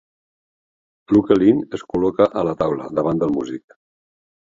L'ukelin es col·loca a la taula davant del músic.